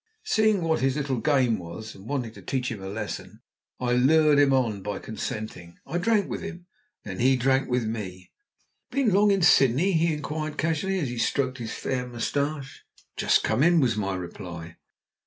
Seeing what his little game was, and wanting to teach him a lesson, I lured him on by consenting. I drank with him, and then he drank with me. "Been long in Sydney?" he inquired casually, as he stroked his fair moustache. "Just come in," was my reply.